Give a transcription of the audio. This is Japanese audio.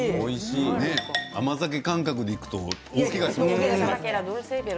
甘酒感覚でいくと大けがをするよね。